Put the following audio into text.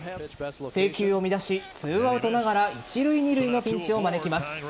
制球を乱し、２アウトながら一塁・二塁のピンチを招きます。